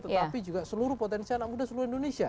tetapi juga seluruh potensi anak muda seluruh indonesia